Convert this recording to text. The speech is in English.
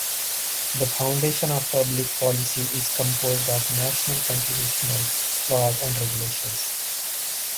The foundation of public policy is composed of national constitutional laws and regulations.